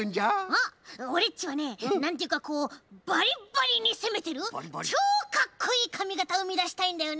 あっオレっちはねなんていうかこうバリッバリにせめてるちょうかっこいいかみがたをめざしたいんだよね。